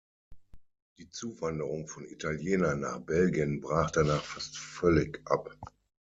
Die Zuwanderung von Italienern nach Belgien brach danach fast völlig ab.